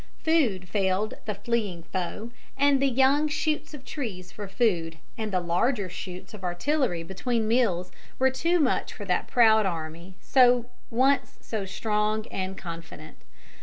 Food failed the fleeing foe, and the young shoots of trees for food and the larger shoots of the artillery between meals were too much for that proud army, once so strong and confident.